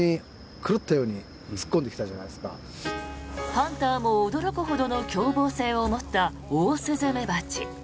ハンターも驚くほどの凶暴性を持ったオオスズメバチ。